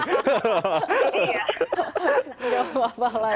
tidak apa apa lah ya